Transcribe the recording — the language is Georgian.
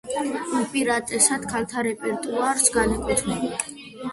უპირატესად ქალთა რეპერტუარს განეკუთვნება.